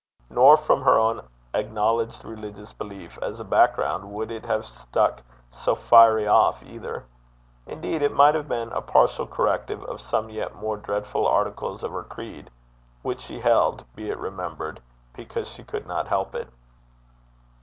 Nor from her own acknowledged religious belief as a background would it have stuck so fiery off either. Indeed, it might have been a partial corrective of some yet more dreadful articles of her creed, which she held, be it remembered, because she could not help it.